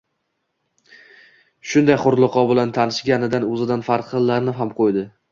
Shunday hurliqo bilan tanishganidan o`zidan faxrlanib ham qo`ydi